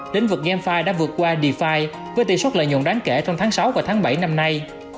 lĩnh vực gamfi đã vượt qua dfy với tỷ suất lợi nhuận đáng kể trong tháng sáu và tháng bảy năm nay